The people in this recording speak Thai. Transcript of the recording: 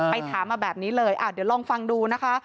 ถามมาแบบนี้เลยเดี๋ยวลองฟังดูนะคะ